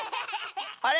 あれ？